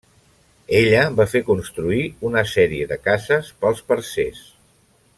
Ella va fer construir una sèrie de cases pels parcers.